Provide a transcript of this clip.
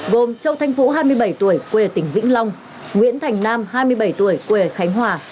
gồm châu thanh vũ hai mươi bảy tuổi quê tỉnh vĩnh long nguyễn thành nam hai mươi bảy tuổi quê ở khánh hòa